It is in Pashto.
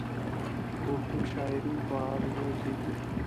اردو شاعري پر عروضو کېږي.